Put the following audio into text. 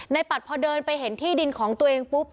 ปัดพอเดินไปเห็นที่ดินของตัวเองปุ๊บ